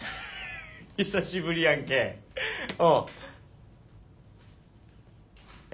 久しぶりやんけうん。え？